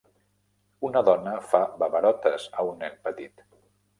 Una dona fa babarotes a un nen petit.